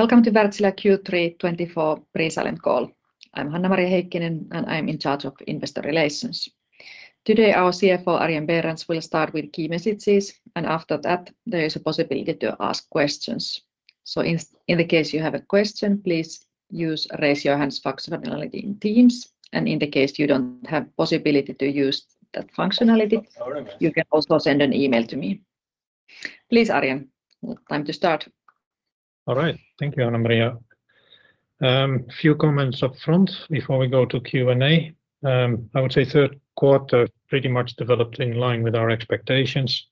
Welcome to Wärtsilä Q3 2024 Pre-Silent Call. I'm Hanna-Maria Heikkinen, and I'm in charge of investor relations. Today, our CFO, Arjen Berends, will start with key messages, and after that, there is a possibility to ask questions. So in the case you have a question, please use raise your hands functionality in Teams, and in the case you don't have possibility to use that functionality, you can also send an email to me. Please, Arjen, time to start. All right. Thank you, Hanna-Maria. A few comments up front before we go to Q&A. I would say third quarter pretty much developed in line with our expectations.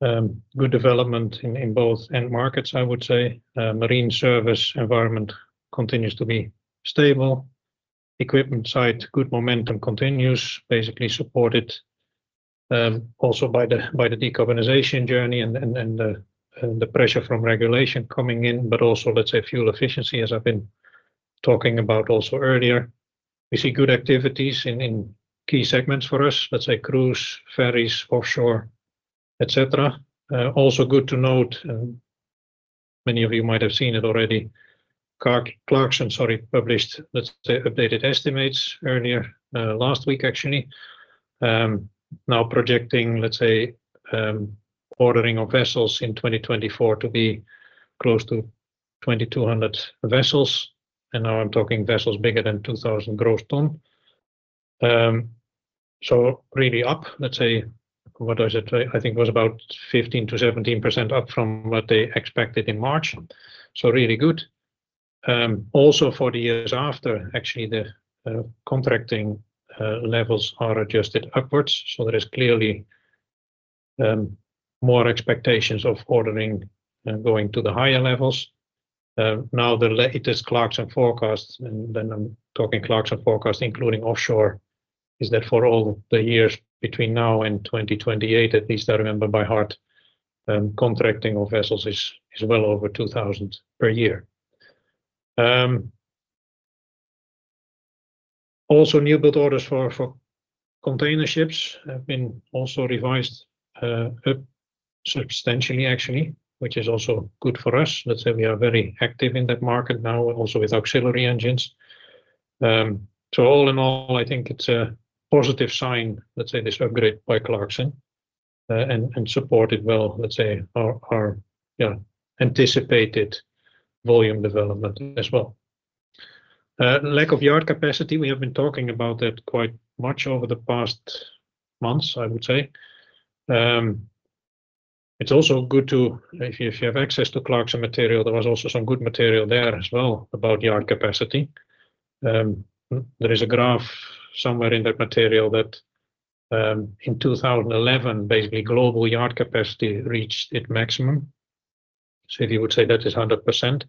Good development in both end markets, I would say. Marine service environment continues to be stable. Equipment side, good momentum continues, basically supported also by the decarbonization journey and the pressure from regulation coming in, but also, let's say, fuel efficiency, as I've been talking about also earlier. We see good activities in key segments for us, let's say, cruise, ferries, offshore, et cetera. Also good to note, many of you might have seen it already, Clarksons, sorry, published, let's say, updated estimates earlier, last week, actually. Now projecting, let's say, ordering of vessels in 2024 to be close to 2,200 vessels, and now I'm talking vessels bigger than 2,000 gross ton. So really up, let's say, what was it? I think it was about 15%-17% up from what they expected in March, so really good. Also for the years after, actually, the contracting levels are adjusted upwards, so there is clearly more expectations of ordering and going to the higher levels. Now, the latest Clarksons forecasts, and then I'm talking Clarksons forecasts, including offshore, is that for all the years between now and 2028, at least I remember by heart, contracting of vessels is well over 2,000 per year. Also, newbuild orders for container ships have been also revised up substantially, actually, which is also good for us. Let's say we are very active in that market now, also with auxiliary engines. So all in all, I think it's a positive sign, let's say, this upgrade by Clarksons and supported well, let's say, our anticipated volume development as well. Lack of yard capacity, we have been talking about that quite much over the past months, I would say. It's also good to. If you have access to Clarksons material, there was also some good material there as well about yard capacity. There is a graph somewhere in that material that in 2011, basically, global yard capacity reached its maximum. If you would say that is 100%,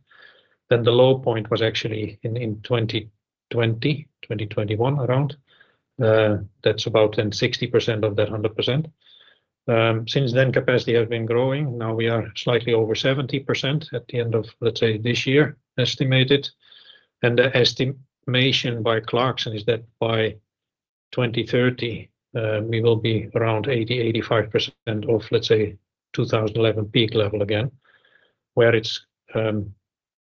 then the low point was actually in 2020, 2021, around. That's about then 60% of that 100%. Since then, capacity has been growing. Now we are slightly over 70% at the end of, let's say, this year, estimated. And the estimation by Clarksons is that by 2030, we will be around 80-85% of, let's say, 2011 peak level again, where it's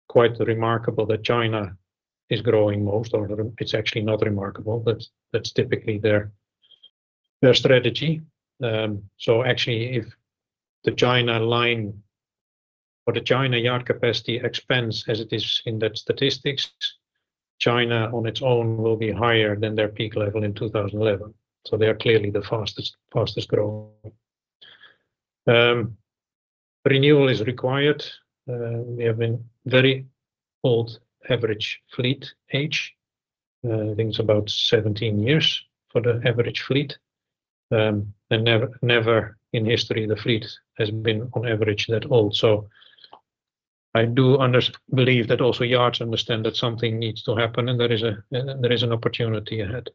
quite remarkable that China is growing most, or it's actually not remarkable, but that's typically their strategy. So actually, if the China line or the China yard capacity expands as it is in that statistics, China on its own will be higher than their peak level in 2011, so they are clearly the fastest growing. Renewal is required. We have been very old, average fleet age. I think it's about 17 years for the average fleet. And never in history the fleet has been, on average, that old. So I do believe that also yards understand that something needs to happen, and there is an opportunity ahead.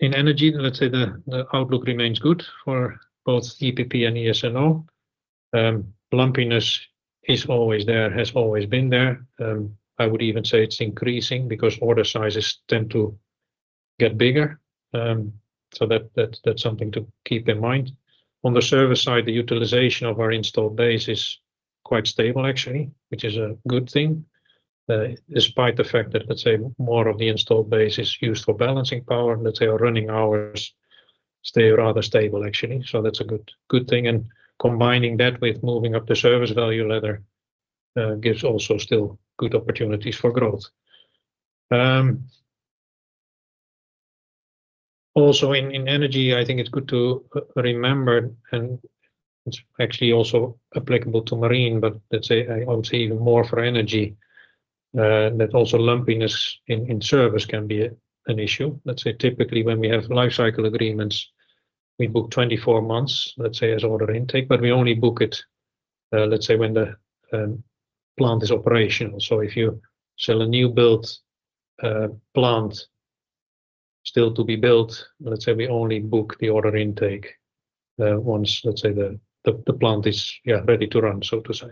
In energy, let's say the outlook remains good for both EPP and ES&O. Lumpiness is always there, has always been there. I would even say it's increasing because order sizes tend to get bigger. So that's something to keep in mind. On the service side, the utilization of our installed base is quite stable, actually, which is a good thing. Despite the fact that, let's say, more of the installed base is used for balancing power, let's say our running hours stay rather stable, actually. That's a good thing, and combining that with moving up the service value ladder gives also still good opportunities for growth. Also in energy, I think it's good to remember, and it's actually also applicable to marine, but let's say I would say even more for energy, that also lumpiness in service can be an issue. Let's say typically, when we have lifecycle agreements, we book 24 months, let's say, as order intake, but we only book it, let's say, when the plant is operational. So if you sell a new build plant still to be built, let's say we only book the order intake once, let's say, the plant is ready to run, so to say.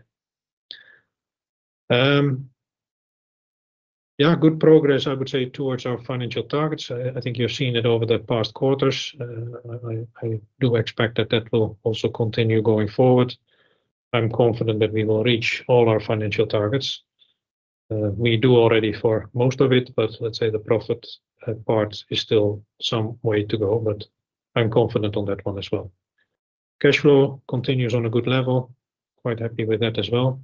Yeah, good progress, I would say, towards our financial targets. I think you've seen it over the past quarters. I do expect that will also continue going forward. I'm confident that we will reach all our financial targets. We do already for most of it, but let's say the profit part is still some way to go, but I'm confident on that one as well. Cash flow continues on a good level. Quite happy with that as well.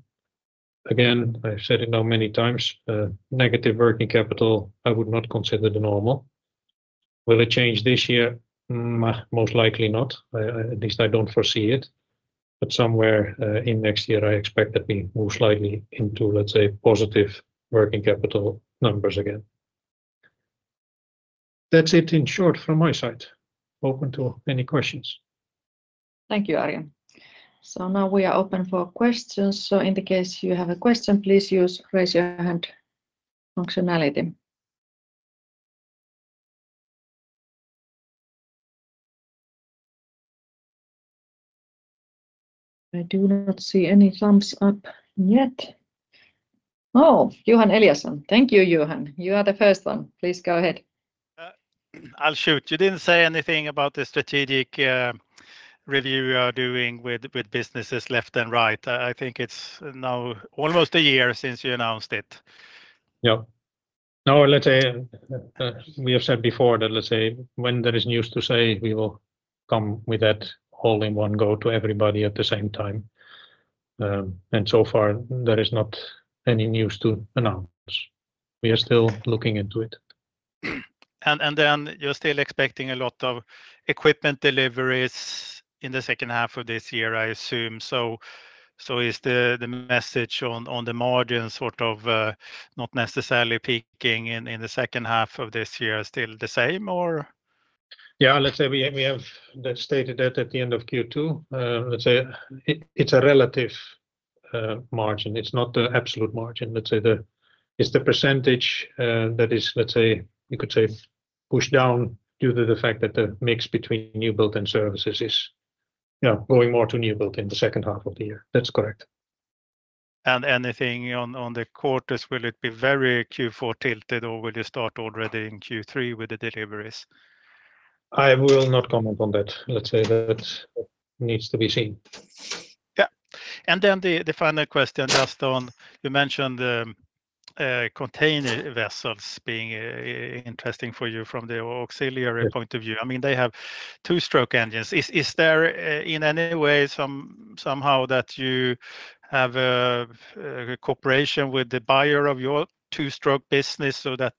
Again, I've said it now many times, negative working capital, I would not consider the normal. Will it change this year? Most likely not. At least I don't foresee it, but somewhere in next year I expect that we move slightly into, let's say, positive working capital numbers again. That's it in short from my side. Open to any questions. Thank you, Arjen. So now we are open for questions, so in the case you have a question, please use the raise your hand functionality. I do not see any thumbs up yet. Oh, Johan Eliason. Thank you, Johan, you are the first one. Please go ahead. I'll shoot. You didn't say anything about the strategic review you are doing with businesses left and right. I think it's now almost a year since you announced it. Yeah. No, let's say, we have said before that, let's say, when there is news to say, we will come with that all in one go to everybody at the same time, and so far there is not any news to announce. We are still looking into it. Then you're still expecting a lot of equipment deliveries in the second half of this year, I assume. So is the message on the margin sort of not necessarily peaking in the second half of this year still the same or? Yeah, let's say we have stated that at the end of Q2. Let's say it, it's a relative margin. It's not the absolute margin. Let's say it's the percentage that is, let's say, you could say, pushed down due to the fact that the mix between new build and services is, yeah, going more to new build in the second half of the year. That's correct. Anything on, on the quarters, will it be very Q4 tilted or will you start already in Q3 with the deliveries? I will not comment on that. Let's say that needs to be seen. Yeah. And then the final question, just on you mentioned the container vessels being interesting for you from the auxiliary point of view. I mean, they have two-stroke engines. Is there in any way somehow that you have a cooperation with the buyer of your two-stroke business so that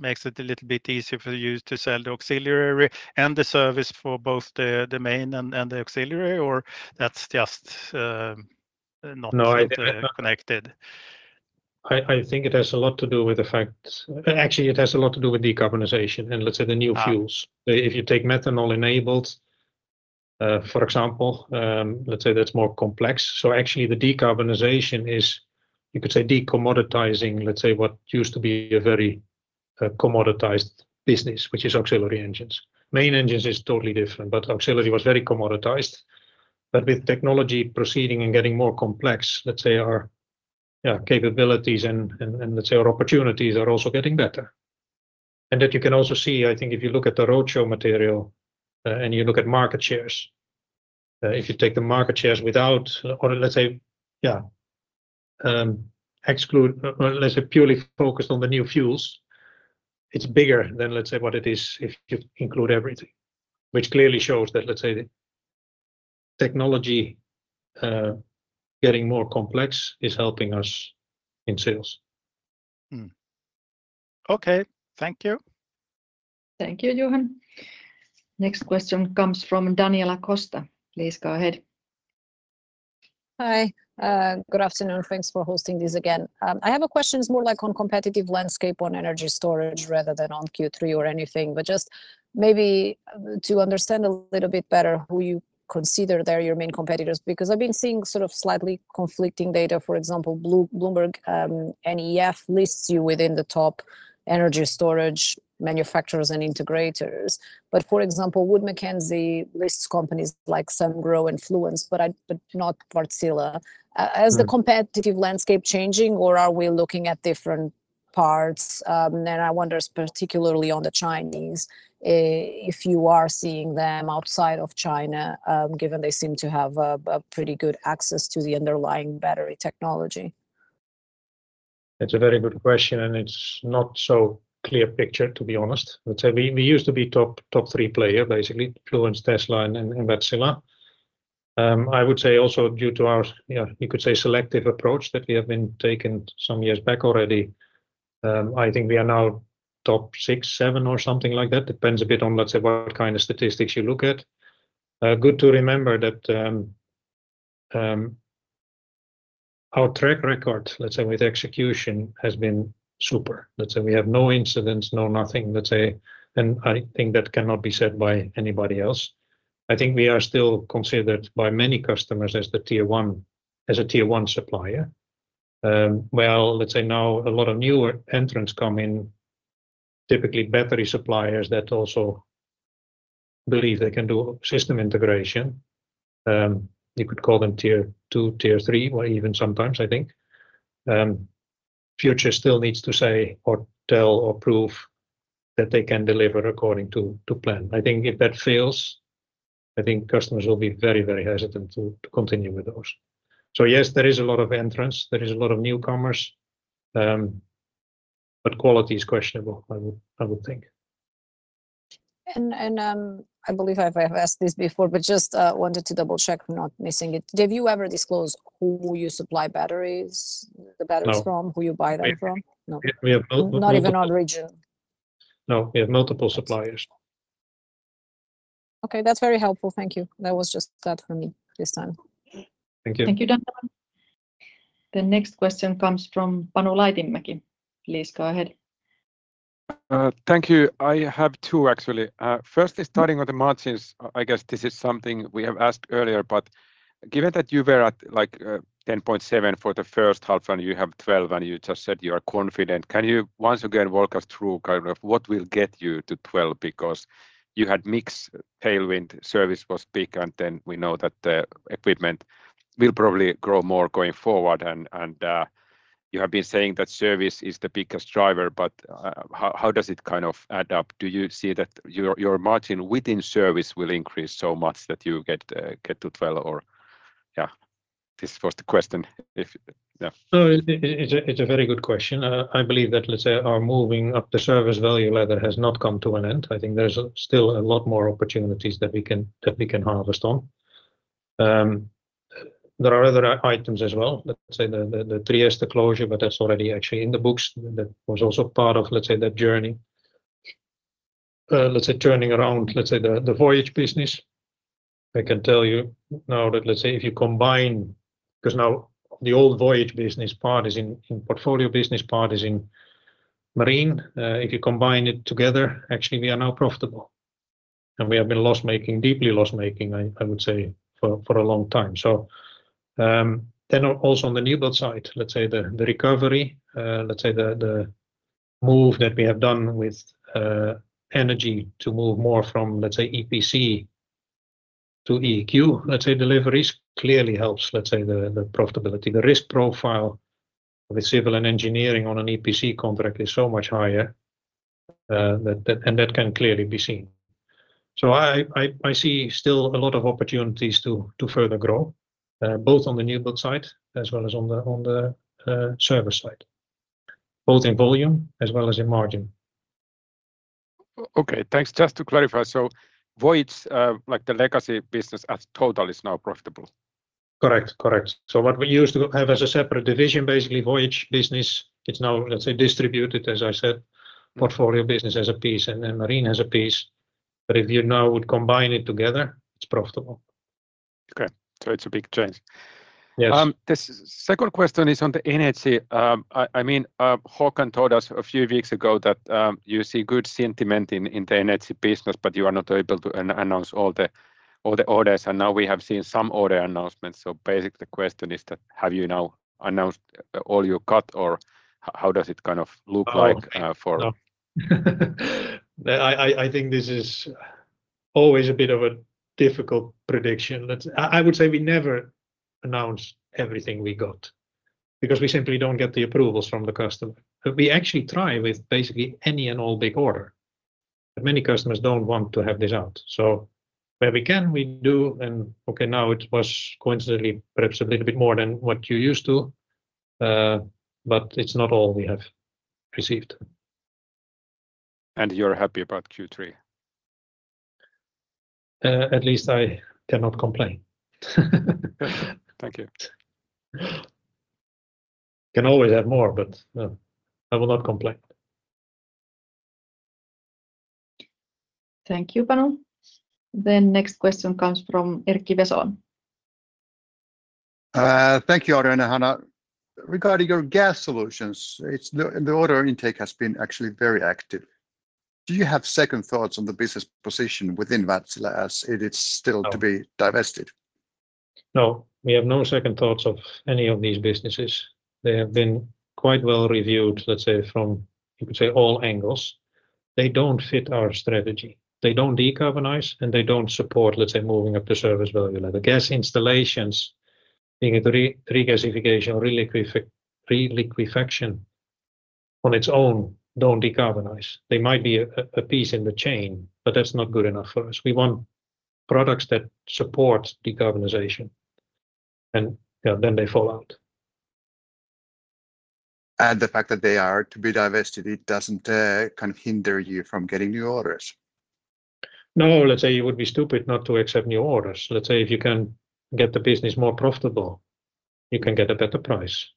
makes it a little bit easier for you to sell the auxiliary and the service for both the main and the auxiliary, or that's just not connected? I think it has a lot to do with the fact. Actually, it has a lot to do with decarbonization and let's say the new fuels. If you take methanol-enabled, for example, let's say that's more complex. So actually, the decarbonization is, you could say, de-commoditizing, let's say, what used to be a very, commoditized business, which is auxiliary engines. Main engines is totally different, but auxiliary was very commoditized. But with technology proceeding and getting more complex, let's say our capabilities and let's say our opportunities are also getting better. And that you can also see, I think, if you look at the roadshow material, and you look at market shares, if you take the market shares without or let's say exclude, let's say purely focused on the new fuels, it's bigger than, let's say, what it is if you include everything. Which clearly shows that, let's say, the technology getting more complex is helping us in sales. Okay. Thank you. Thank you, Johan. Next question comes from Daniela Costa. Please go ahead. Hi. Good afternoon. Thanks for hosting this again. I have a question, it's more like on competitive landscape, on energy storage, rather than on Q3 or anything, but just maybe to understand a little bit better who you consider they're your main competitors, because I've been seeing sort of slightly conflicting data. For example, BloombergNEF lists you within the top energy storage manufacturers and integrators. But for example, Wood Mackenzie lists companies like Sungrow and Fluence, but not Wärtsilä. Is the competitive landscape changing, or are we looking at different parts? I wonder, particularly on the Chinese, if you are seeing them outside of China, given they seem to have a pretty good access to the underlying battery technology? It's a very good question, and it's not so clear picture, to be honest. Let's say we used to be top three player, basically, Fluence, Tesla, and Wärtsilä. I would say also due to our, yeah, you could say selective approach that we have been taking some years back already. I think we are now top six, seven, or something like that. Depends a bit on, let's say, what kind of statistics you look at. Good to remember that our track record, let's say with execution, has been super. Let's say we have no incidents, no nothing, let's say, and I think that cannot be said by anybody else. I think we are still considered by many customers as the tier one supplier. Well, let's say now a lot of newer entrants come in, typically battery suppliers that also believe they can do system integration. You could call them tier two, tier three, or even sometimes, I think. Future still needs to say or tell or prove that they can deliver according to, to plan. I think if that fails, I think customers will be very, very hesitant to, to continue with those. So yes, there is a lot of entrants, there is a lot of newcomers, but quality is questionable, I would think. I believe I've asked this before, but just wanted to double-check I'm not missing it. Have you ever disclosed who you supply batteries, the batteries from. Who you buy them from? We have-- Not even on region? No, we have multiple suppliers. Okay, that's very helpful, thank you. That was just that for me this time. Thank you. Thank you, Daniela. The next question comes from Panu Laitimäki. Please go ahead. Thank you. I have two, actually. Firstly, starting with the margins, I guess this is something we have asked earlier, but given that you were at, like, 10.7% for the first half, and you have 12%, and you just said you are confident, can you once again walk us through kind of what will get you to 12%? Because you had mixed tailwind, service was big, and then we know that the equipment will probably grow more going forward, and you have been saying that service is the biggest driver, but how does it kind of add up? Do you see that your margin within service will increase so much that you get to 12%, or? Yeah, this was the question. It's a very good question. I believe that, let's say, our moving up the service value ladder has not come to an end. I think there's still a lot more opportunities that we can harvest on. There are other items as well. Let's say the Trieste closure, but that's already actually in the books. That was also part of, let's say, that journey. Let's say turning around, let's say the Voyage business, I can tell you now that, let's say if you combine. Because now the old Voyage business part is in portfolio business, part is in Marine. If you combine it together, actually we are now profitable, and we have been loss-making, deeply loss-making, I would say, for a long time. So, then also on the newbuild side, let's say the recovery, let's say the move that we have done with energy to move more from, let's say, EPC to EEQ, let's say deliveries clearly helps, let's say, the profitability. The risk profile with civil and engineering on an EPC contract is so much higher, that. And that can clearly be seen. So I see still a lot of opportunities to further grow, both on the newbuild side as well as on the service side, both in volume as well as in margin. Okay, thanks. Just to clarify, so Voyage, like the legacy business as total, is now profitable? Correct. So what we used to have as a separate division, basically Voyage business, it's now, let's say, distributed, as I said, portfolio business as a piece and then Marine as a piece. But if you now would combine it together, it's profitable. Okay, so it's a big change. Yes. The second question is on the Energy. I mean, Håkan told us a few weeks ago that you see good sentiment in the Energy business, but you are not able to announce all the orders, and now we have seen some order announcements. So basically, the question is that, have you now announced all you got, or how does it kind of look like for-- I think this is always a bit of a difficult prediction. I would say we never announce everything we got, because we simply don't get the approvals from the customer. But we actually try with basically any and all big order, but many customers don't want to have this out. So where we can, we do, and okay, now it was coincidentally perhaps a little bit more than what you're used to, but it's not all we have received. You're happy about Q3? At least I cannot complain. Thank you. Can always have more, but, I will not complain. Thank you, Panu. The next question comes from Erkki Vesola. Thank you, Arjen and Hanna. Regarding your gas solutions, it's--The order intake has been actually very active. Do you have second thoughts on the business position within Wärtsilä, as it is still to be divested? No, we have no second thoughts of any of these businesses. They have been quite well reviewed, let's say, from, you could say, all angles. They don't fit our strategy. They don't decarbonize, and they don't support, let's say, moving up the service value ladder. The gas installations, being it regasification or reliquefaction on its own, don't decarbonize. They might be a piece in the chain, but that's not good enough for us. We want products that support decarbonization, and, yeah, then they fall out. And the fact that they are to be divested, it doesn't kind of hinder you from getting new orders? No, let's say it would be stupid not to accept new orders. Let's say if you can get the business more profitable, you can get a better price,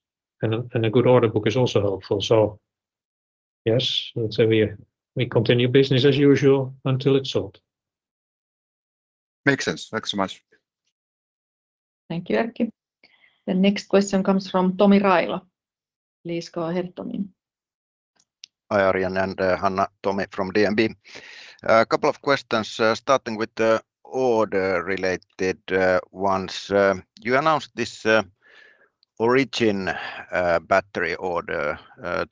and a good order book is also helpful. So yes, let's say we continue business as usual until it's sold. Makes sense. Thanks so much. Thank you, Erkki. The next question comes from Tomi Railo. Please go ahead, Tomi. Hi, Arjen and Hanna. Tomi from DNB. A couple of questions, starting with the order-related ones. You announced this Origin battery order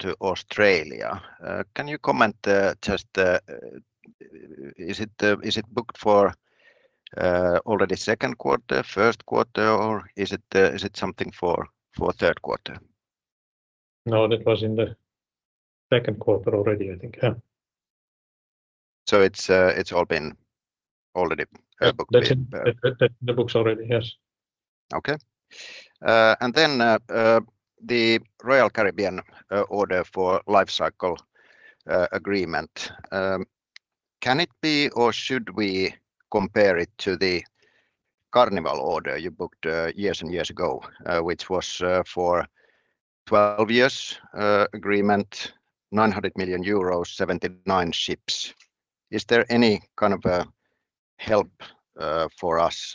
to Australia. Can you comment just is it booked for already second quarter, first quarter, or is it something for third quarter? No, that was in the second quarter already, I think. Yeah. So it's all been already booked in-- That's in the books already, yes. Okay. And then, the Royal Caribbean order for lifecycle agreement, can it be or should we compare it to the Carnival order you booked years and years ago, which was for 12 years agreement, 900 million euros, 79 ships? Is there any kind of help for us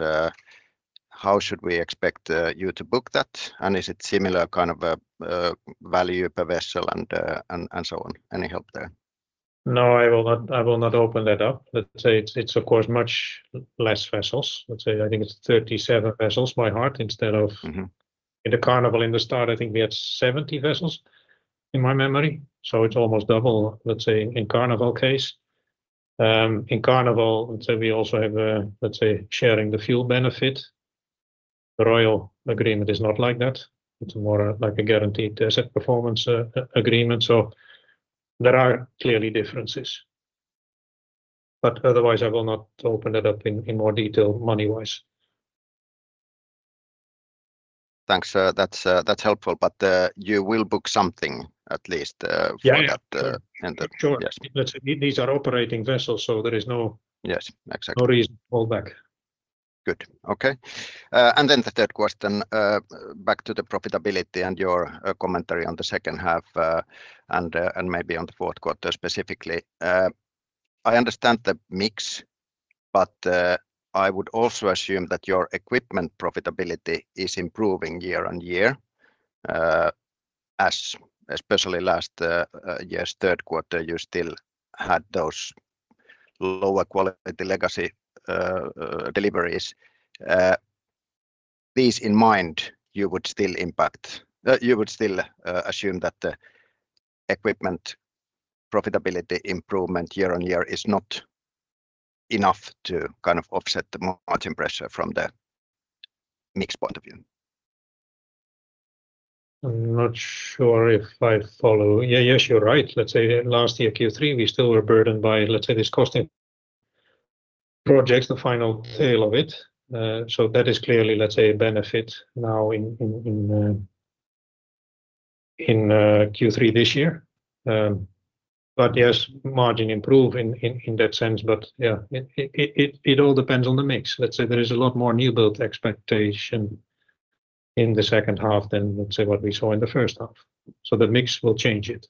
how should we expect you to book that? And is it similar kind of value per vessel and so on? Any help there? No, I will not. I will not open that up. Let's say it's, it's of course much less vessels. Let's say, I think it's 37 vessels by heart instead of--In the Carnival in the start, I think we had 70 vessels, in my memory, so it's almost double, let's say, in Carnival case. In Carnival, let's say we also have, let's say, sharing the fuel benefit. The Royal agreement is not like that. It's more like a guaranteed asset performance, agreement, so there are clearly differences. But otherwise, I will not open it up in more detail money-wise. Thanks. That's helpful, but you will book something at least. Yeah For that, enter? Sure. These are operating vessels, so there is no-- Yes, exactly No reason to pull back. Good. Okay. And then the third question, back to the profitability and your commentary on the second half, and maybe on the fourth quarter specifically. I understand the mix, but I would also assume that your equipment profitability is improving year on year. As especially last third quarter, you still had those lower quality legacy deliveries. These in mind, you would still assume that the equipment profitability improvement year on year is not enough to kind of offset the margin pressure from the mix point of view? I'm not sure if I follow. Yes, you're right. Let's say last year, Q3, we still were burdened by, let's say, this costing projects, the final sale of it. So that is clearly, let's say, a benefit now in Q3 this year. But yes, margin improve in that sense, but yeah, it all depends on the mix. Let's say there is a lot more new build expectation in the second half than, let's say, what we saw in the first half. So the mix will change it.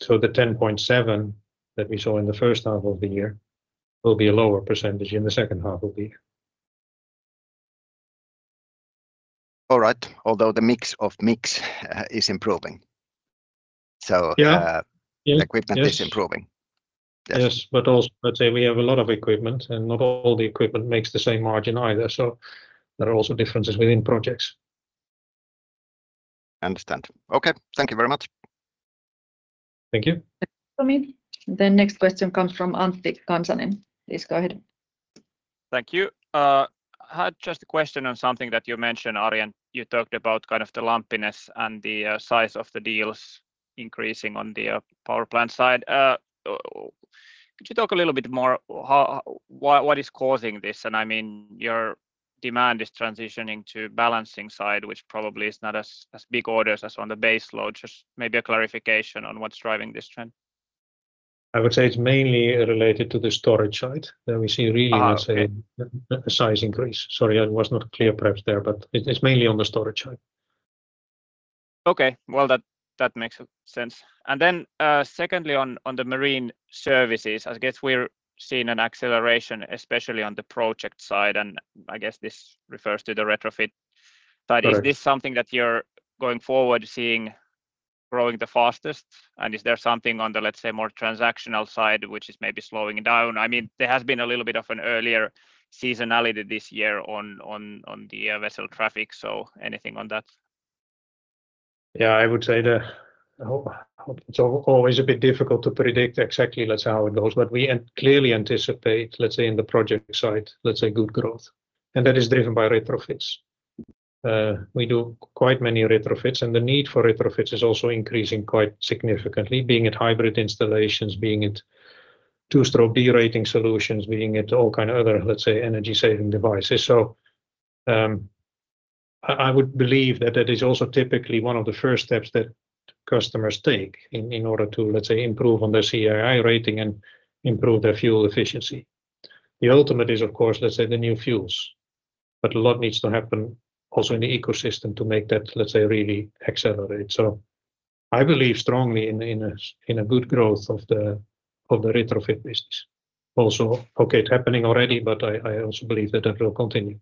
So the 10.7% that we saw in the first half of the year will be a lower percentage in the second half of the year. All right. Although the mix is improving, so the equipment is improving. Yes, but also, let's say we have a lot of equipment, and not all the equipment makes the same margin either, so there are also differences within projects. Understand. Okay, thank you very much. Thank you. Thank you. The next question comes from Antti Kansanen. Please go ahead. Thank you. I had just a question on something that you mentioned, Arjen, and you talked about kind of the lumpiness and the size of the deals increasing on the power plant side. Could you talk a little bit more how what is causing this? And I mean, your demand is transitioning to balancing side, which probably is not as big orders as on the base load. Just maybe a clarification on what's driving this trend. I would say it's mainly related to the storage side, where we see really the size increase. Sorry, I was not clear perhaps there, but it's mainly on the storage side. Okay, well, that makes sense. And then, secondly, on the marine services, I guess we're seeing an acceleration, especially on the project side, and I guess this refers to the retrofit. Correct. But is this something that you're going forward seeing growing the fastest? And is there something on the, let's say, more transactional side, which is maybe slowing down? I mean, there has been a little bit of an earlier seasonality this year on the vessel traffic, so anything on that? Yeah, I would say it's always a bit difficult to predict exactly, let's say, how it goes, but we clearly anticipate, let's say, in the project side, let's say good growth, and that is driven by retrofits. We do quite many retrofits, and the need for retrofits is also increasing quite significantly, being it hybrid installations, being it two-stroke derating solutions, being it all kind of other, let's say, energy-saving devices. So, I would believe that is also typically one of the first steps that customers take in order to, let's say, improve on their CII rating and improve their fuel efficiency. The ultimate is, of course, let's say, the new fuels, but a lot needs to happen also in the ecosystem to make that, let's say, really accelerate. So I believe strongly in a good growth of the retrofit business. Also, okay, it's happening already, but I also believe that that will continue.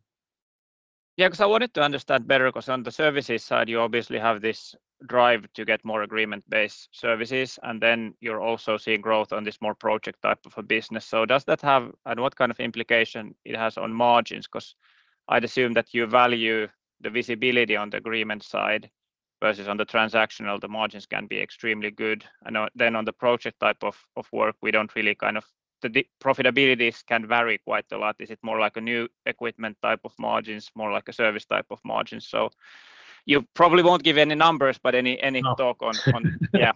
Yeah, 'cause I wanted to understand better, 'cause on the services side, you obviously have this drive to get more agreement-based services, and then you're also seeing growth on this more project type of a business. So does that have, and what kind of implication it has on margins? 'Cause I'd assume that you value the visibility on the agreement side versus on the transactional, the margins can be extremely good. And now, then on the project type of work, we don't really kind of the profitabilities can vary quite a lot. Is it more like a new equipment type of margins, more like a service type of margin? So you probably won't give any numbers, but any talk on, yeah.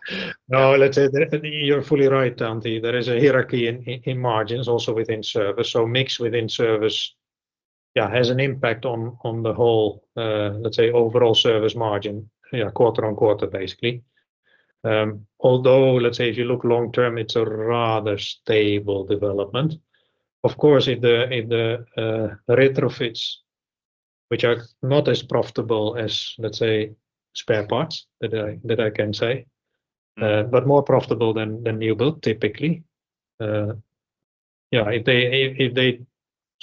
No, let's say, you're fully right, Antti. There is a hierarchy in margins also within service. So mix within service, yeah, has an impact on the whole, let's say, overall service margin, yeah, quarter on quarter, basically. Although, let's say, if you look long-term, it's a rather stable development. Of course, if the retrofits, which are not as profitable as, let's say, spare parts, that I can say, but more profitable than new build, typically.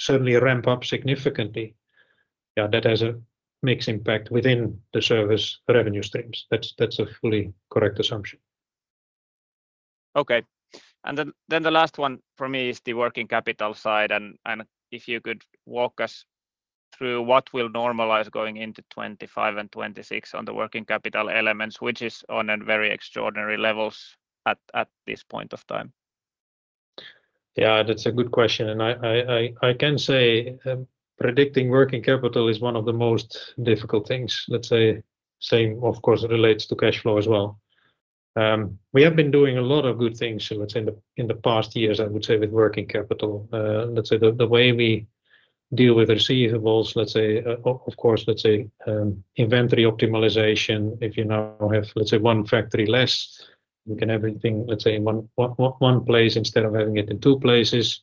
Yeah, if they suddenly ramp up significantly, yeah, that has a mixed impact within the service revenue streams. That's a fully correct assumption. Okay. And then the last one for me is the working capital side, and if you could walk us through what will normalize going into 2025 and 2026 on the working capital elements, which is on a very extraordinary levels at this point of time? Yeah, that's a good question, and I can say, predicting working capital is one of the most difficult things. Let's say, of course, it relates to cash flow as well. We have been doing a lot of good things, let's say, in the past years, I would say, with working capital. Let's say the way we deal with receivables, let's say, of course, let's say, inventory optimization. If you now have, let's say, one factory less, we can everything, let's say in one place instead of having it in two places.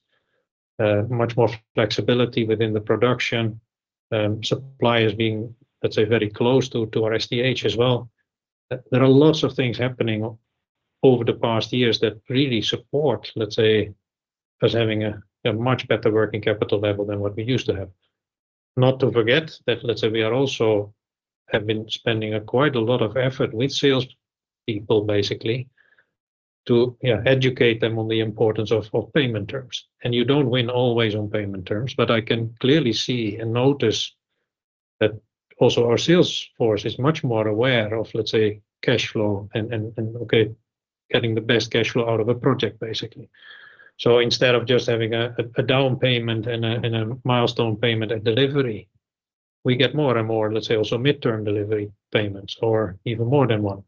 Much more flexibility within the production. Suppliers being, let's say, very close to our STH as well. There are lots of things happening over the past years that really support, let's say, us having a much better working capital level than what we used to have. Not to forget that, let's say, we are also have been spending quite a lot of effort with sales people, basically, to educate them on the importance of payment terms. You don't win always on payment terms, but I can clearly see and notice that also our sales force is much more aware of, let's say, cash flow and okay, getting the best cash flow out of a project, basically. Instead of just having a down payment and a milestone payment at delivery, we get more and more, let's say, also midterm delivery payments or even more than one.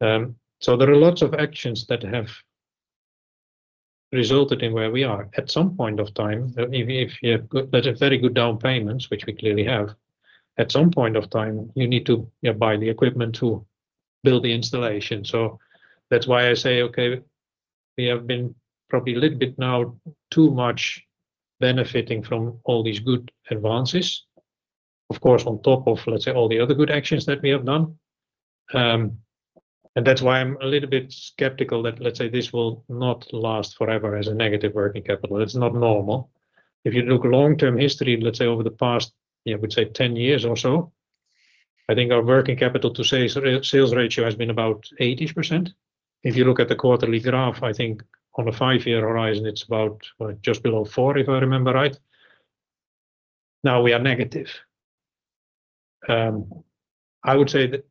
There are lots of actions that have resulted in where we are. At some point of time, if you have, let's say, very good down payments, which we clearly have, at some point of time, you need to, yeah, buy the equipment to build the installation. So that's why I say, okay, we have been probably a little bit now too much benefiting from all these good advances. Of course, on top of, let's say, all the other good actions that we have done. And that's why I'm a little bit skeptical that, let's say, this will not last forever as a negative working capital. It's not normal. If you look long-term history, let's say, over the past, yeah, I would say 10 years or so, I think our working capital to sales ratio has been about 80%. If you look at the quarterly graph, I think on a five-year horizon, it's about just below four, if I remember right. Now we are negative. I would say that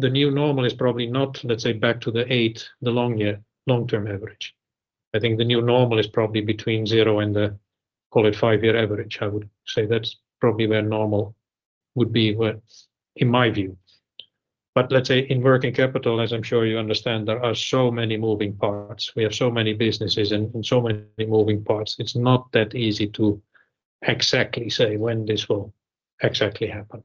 the new normal is probably not, let's say, back to the eight, the long-term average. I think the new normal is probably between zero and the, call it, five-year average. I would say that's probably where normal would be, well, in my view. But let's say in working capital, as I'm sure you understand, there are so many moving parts. We have so many businesses and so many moving parts. It's not that easy to exactly say when this will exactly happen.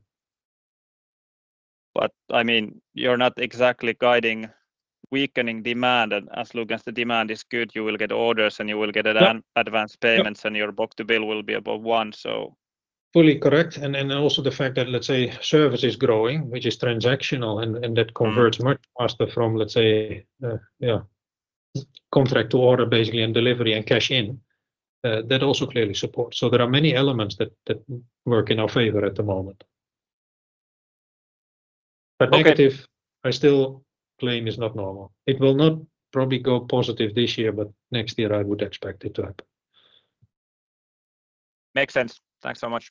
But, I mean, you're not exactly guiding weakening demand. And as long as the demand is good, you will get orders, and you will get an advance payments and your book-to-bill will be above 1x, so. Fully correct. And then also the fact that, let's say, service is growing, which is transactional, and that converts much faster from, let's say, contract to order basically, and delivery and cash in. That also clearly supports. So there are many elements that work in our favor at the moment. Okay. But, negative, I still claim is not normal. It will not probably go positive this year, but next year I would expect it to happen. Makes sense. Thanks so much.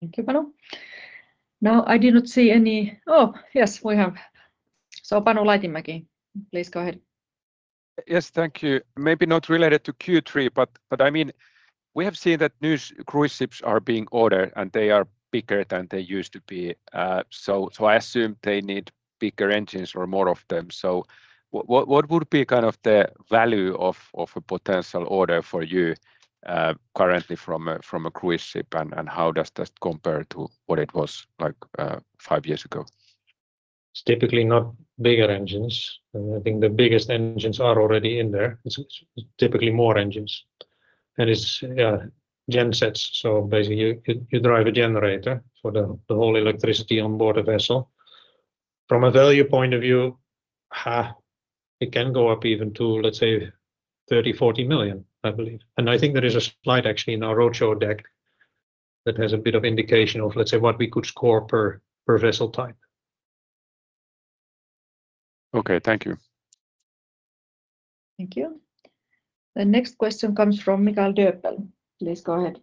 Thank you, Panu. Now, I do not see any. Oh, yes, we have. So Panu Laitimäki, please go ahead. Yes, thank you. Maybe not related to Q3, but I mean, we have seen that new cruise ships are being ordered, and they are bigger than they used to be. So I assume they need bigger engines or more of them. So what would be kind of the value of a potential order for you currently from a cruise ship, and how does that compare to what it was like five years ago? It's typically not bigger engines. I think the biggest engines are already in there. It's typically more engines, and it's gen sets. So basically, you drive a generator for the whole electricity on board a vessel. From a value point of view, it can go up even to, let's say, 30 million- 40 million, I believe. And I think there is a slide actually in our roadshow deck that has a bit of indication of, let's say, what we could score per vessel type. Okay, thank you. Thank you. The next question comes from Mikael Doepel. Please go ahead.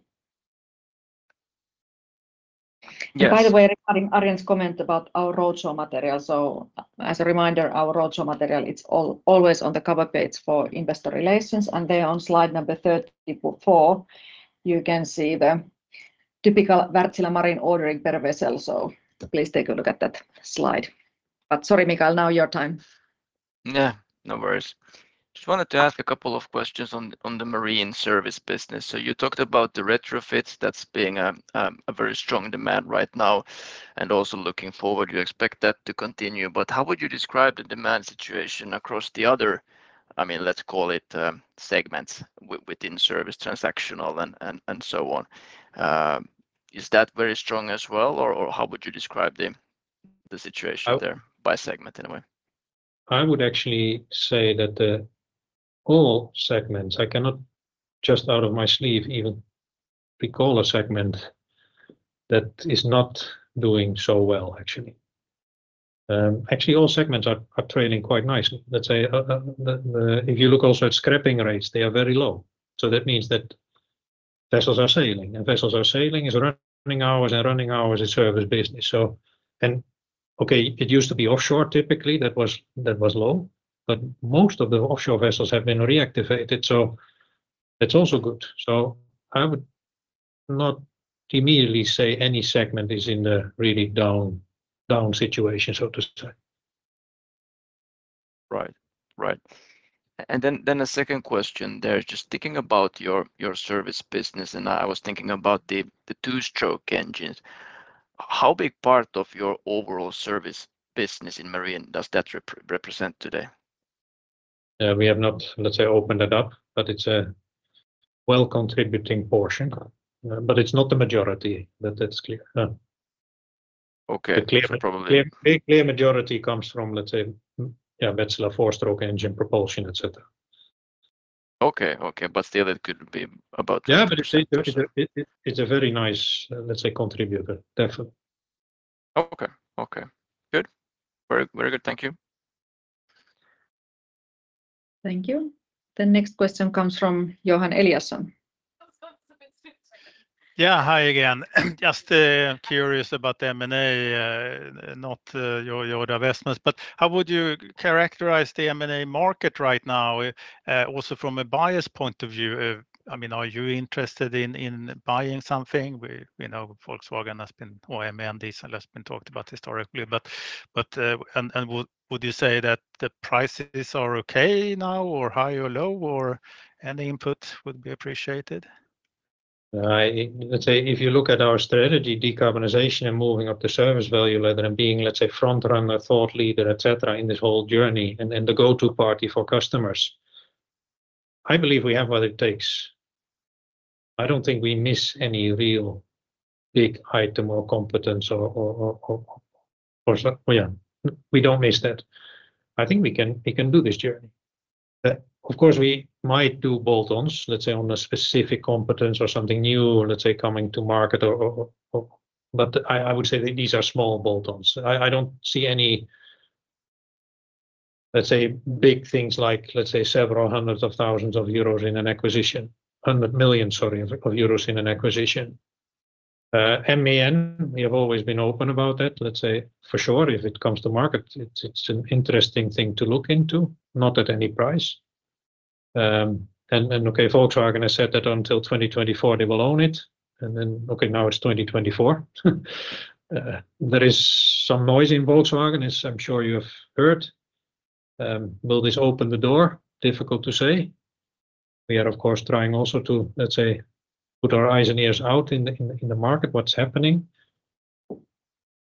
By the way, regarding Arjen's comment about our roadshow material, so as a reminder, our roadshow material, it's always on the cover page for investor relations, and there on slide number 34, you can see the typical Wärtsilä marine ordering per vessel, so please take a look at that slide. But sorry, Michael, now your time. Yeah, no worries. Just wanted to ask a couple of questions on the marine service business. So you talked about the retrofits, that's being a very strong demand right now, and also looking forward, you expect that to continue. But how would you describe the demand situation across the other, I mean, let's call it, segments within service, transactional and so on? Is that very strong as well, or how would you describe the situation there by segment, anyway? I would actually say that all segments. I cannot just out of my sleeve even recall a segment that is not doing so well, actually. Actually, all segments are trading quite nicely. Let's say, if you look also at scrapping rates, they are very low, so that means that vessels are sailing, and vessels are sailing is running hours and running hours of service business. So, okay, it used to be offshore, typically, that was low, but most of the offshore vessels have been reactivated, so that's also good. So I would not immediately say any segment is in a really down situation, so to say. Right. And then the second question there, just thinking about your service business, and I was thinking about the two-stroke engines. How big part of your overall service business in marine does that represent today? We have not, let's say, opened it up, but it's a well-contributing portion. But it's not the majority, that is clear. Okay, probably-- The clear majority comes from, let's say, yeah, Wärtsilä four-stroke engine propulsion, et cetera. Okay, okay. But still, it could be about-- Yeah, but it, it's a very nice, let's say, contributor. Definitely. Okay, good. Very, very good. Thank you. Thank you. The next question comes from Johan Eliason. Yeah, hi again. Just curious about the M&A, not your divestments, but how would you characterize the M&A market right now, also from a buyer's point of view? I mean, are you interested in buying something? We know Volkswagen has been. MAN Diesel has been talked about historically, but and would you say that the prices are okay now, or high or low, or any input would be appreciated? Let's say, if you look at our strategy, decarbonization and moving up the service value ladder and being, let's say, front runner, thought leader, et cetera, in this whole journey, and the go-to party for customers, I believe we have what it takes. I don't think we miss any real big item or competence or, yeah, we don't miss that. I think we can do this journey. Of course, we might do bolt-ons, let's say, on a specific competence or something new, let's say, coming to market or. But I would say that these are small bolt-ons. I don't see any, let's say, big things like, let's say, several hundred thousand euro in an acquisition. 100 million euros, sorry, in an acquisition. MAN, we have always been open about that. Let's say, for sure, if it comes to market, it's an interesting thing to look into, not at any price. And then, okay, Volkswagen has said that until 2024, they will own it, and then, okay, now it's 2024. There is some noise in Volkswagen, as I'm sure you have heard. Will this open the door? Difficult to say. We are, of course, trying also to, let's say, put our eyes and ears out in the market, what's happening.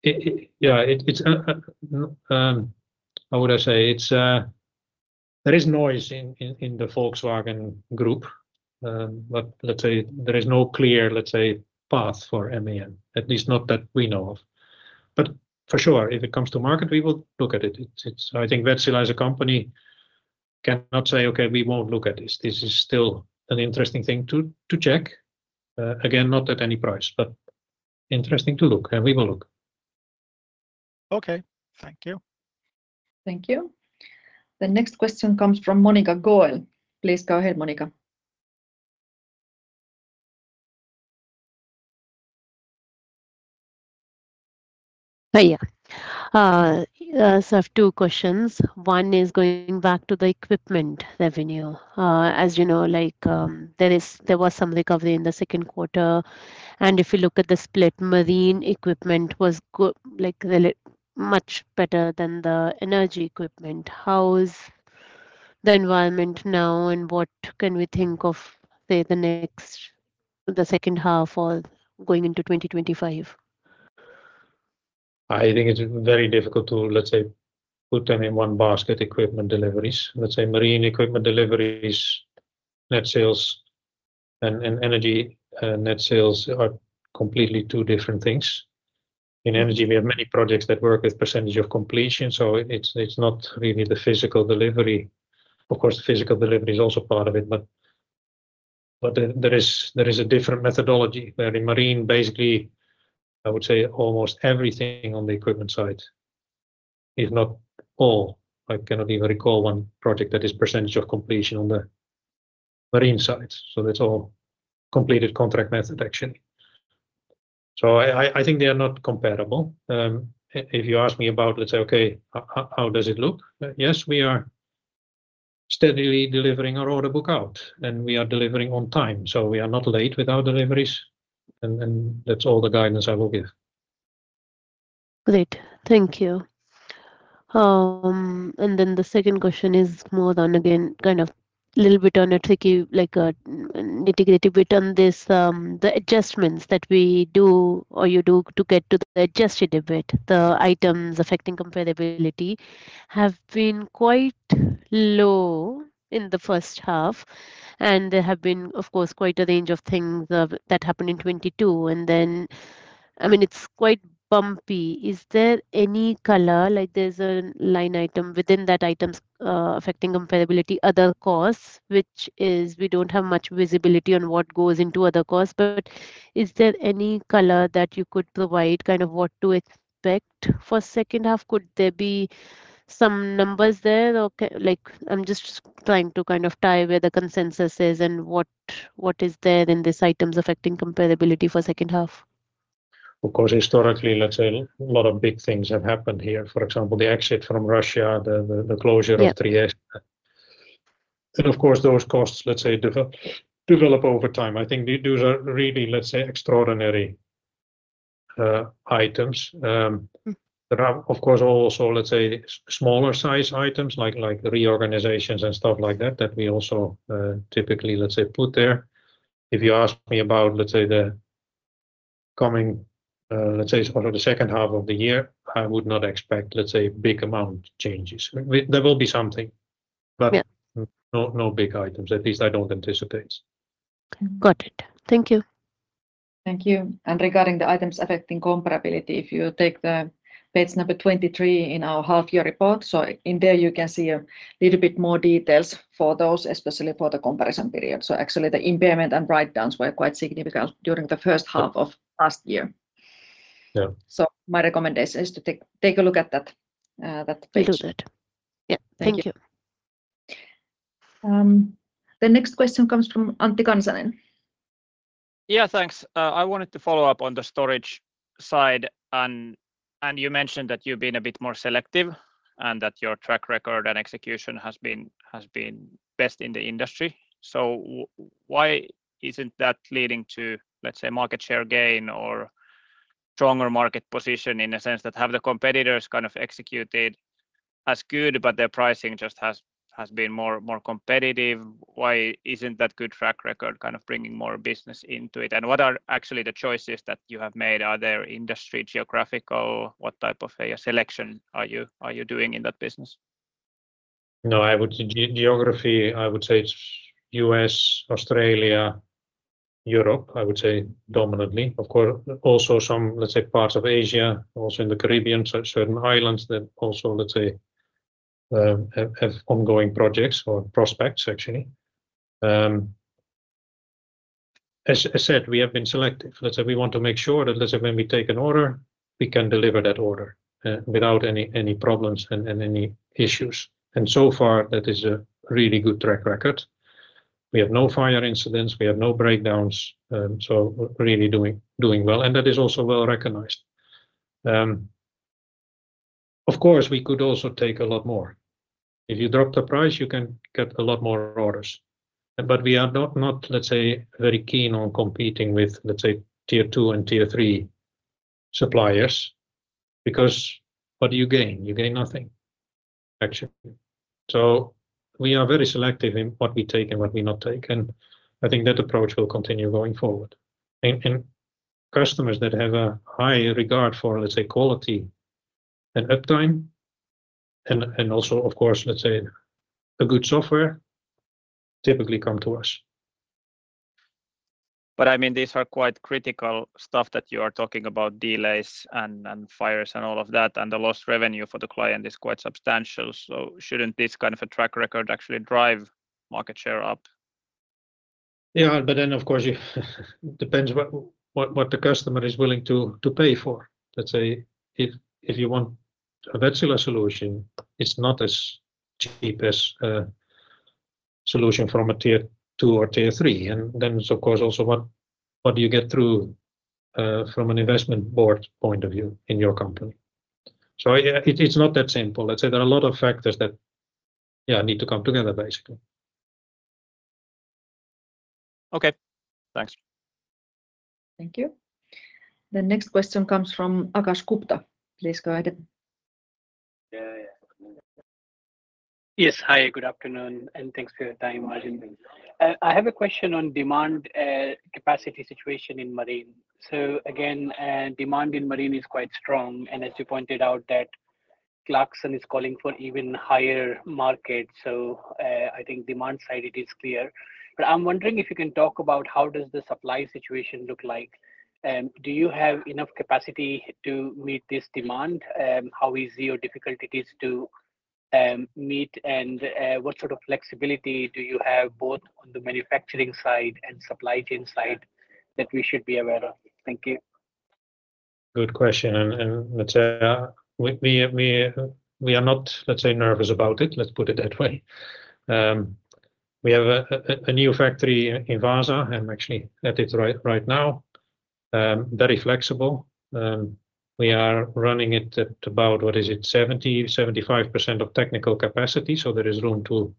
Yeah, it's, how would I say? It's, there is noise in the Volkswagen Group, but let's say there is no clear, let's say, path for MAN, at least not that we know of. But for sure, if it comes to market, we will look at it. I think Wärtsilä as a company cannot say, "Okay, we won't look at this." This is still an interesting thing to check. Again, not at any price, but interesting to look, and we will look. Okay. Thank you. Thank you. The next question comes from Monika Goel. Please go ahead, Monica. Hi. So I have two questions. One is going back to the equipment revenue. As you know, like, there was some recovery in the second quarter, and if you look at the split, marine equipment was good, like really much better than the energy equipment. How is the environment now, and what can we think of, say, the next, the second half or going into 2025? I think it's very difficult to, let's say, put them in one basket, equipment deliveries. Let's say marine equipment deliveries, net sales, and energy net sales are completely two different things. In energy, we have many projects that work with percentage of completion, so it's not really the physical delivery. Of course, physical delivery is also part of it, but. But there is a different methodology, where in marine, basically, I would say almost everything on the equipment side, if not all. I cannot even recall one project that is percentage of completion on the marine side. So that's all completed contract method, actually. So I think they are not comparable. If you ask me about, let's say, "Okay, how does it look?" Yes, we are steadily delivering our order book out, and we are delivering on time, so we are not late with our deliveries, and that's all the guidance I will give. Great. Thank you. And then the second question is more on, again, kind of a little bit on a tricky, like a, a nitty-gritty bit on this. The adjustments that we do, or you do to get to the adjusted EBITDA, the items affecting comparability, have been quite low in the first half, and there have been, of course, quite a range of things that happened in 2022. And then, I mean, it's quite bumpy. Is there any color? Like, there's a line item within that items affecting comparability, other costs, which is we don't have much visibility on what goes into other costs. But is there any color that you could provide, kind of what to expect for second half? Could there be some numbers there or like, I'm just trying to kind of tie where the consensus is and what, what is there in this items affecting comparability for second half? Of course, historically, let's say a lot of big things have happened here. For example, the exit from Russia. The closure of Trieste. And of course, those costs, let's say, develop over time. I think these are really, let's say, extraordinary items. There are, of course, also, let's say, smaller sized items, like reorganizations and stuff like that, that we also typically, let's say, put there. If you ask me about, let's say, the coming, let's say over the second half of the year, I would not expect, let's say, big amount changes. There will be something, but no, no big items, at least I don't anticipate. Got it. Thank you. Thank you. And regarding the items affecting comparability, if you take the page number 23 in our half-year report, so in there you can see a little bit more details for those, especially for the comparison period. So actually, the impairment and write-downs were quite significant during the first half of last year. Yeah. So my recommendation is to take a look at that page. Will do that. Yeah. Thank you. Thank you. The next question comes from Antti Kansanen. Yeah, thanks. I wanted to follow up on the storage side, and you mentioned that you've been a bit more selective, and that your track record and execution has been best in the industry. So why isn't that leading to, let's say, market share gain or stronger market position, in a sense that have the competitors kind of executed as good, but their pricing just has been more competitive? Why isn't that good track record kind of bringing more business into it? And what are actually the choices that you have made? Are they industry, geographical? What type of a selection are you doing in that business? No, I would say geography, I would say it's U.S., Australia, Europe, I would say dominantly. Of course also some, let's say, parts of Asia, also in the Caribbean, certain islands that also, let's say, have ongoing projects or prospects, actually. As I said, we have been selective. Let's say we want to make sure that, let's say, when we take an order, we can deliver that order without any problems and any issues, and so far, that is a really good track record. We have no fire incidents. We have no breakdowns. So we're really doing well, and that is also well-recognized. Of course, we could also take a lot more. If you drop the price, you can get a lot more orders. But we are not, let's say, very keen on competing with, let's say, Tier 2 and Tier 3 suppliers, because what do you gain? You gain nothing, actually. So we are very selective in what we take and what we not take, and I think that approach will continue going forward. And customers that have a high regard for, let's say, quality and uptime and also, of course, let's say, a good software, typically come to us. But, I mean, these are quite critical stuff that you are talking about, delays and fires and all of that, and the lost revenue for the client is quite substantial, so shouldn't this kind of a track record actually drive market share up? Yeah, but then, of course, it depends what the customer is willing to pay for. Let's say if you want a Wärtsilä solution, it's not as cheap as a solution from a Tier 2 or Tier 3. And then, of course, also what do you get through from an investment board point of view in your company? So yeah, it's not that simple. Let's say there are a lot of factors that, yeah, need to come together, basically. Okay, thanks. Thank you. The next question comes from Akash Gupta. Please, go ahead. Yes, hi, good afternoon, and thanks for your time. I have a question on demand, capacity situation in Marine. So again, demand in Marine is quite strong, and as you pointed out, that Clarksons is calling for even higher market, so, I think demand side, it is clear. But I'm wondering if you can talk about how does the supply situation look like, and do you have enough capacity to meet this demand? How easy or difficult it is to meet, and, what sort of flexibility do you have both on the manufacturing side and supply chain side that we should be aware of? Thank you. Good question, and let's, we are not, let's say, nervous about it. Let's put it that way. We have a new factory in Vaasa. I'm actually at it right now. Very flexible. We are running it at about, what is it? 70%-75% of technical capacity, so there is room to